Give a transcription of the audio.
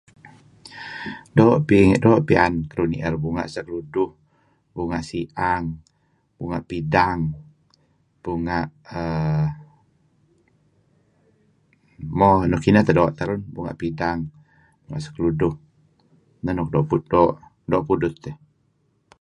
Doo' piyan keduih ni'er bunga' sekeluduh, bunga' si'ang, bunga' pidang, bunga' err . Mo, nuk ineh teh doo' terun, bunga' si'ang, bunga' sekeluduh neh nuk doo' pudut eh.